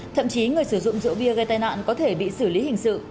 thậm chí người sử dụng rượu bia gây tai nạn có thể bị xử lý hình sự